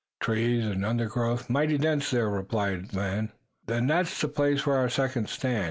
"Trees and undergrowth are mighty dense there," replied Oldham. "Then that's the place for our second stand.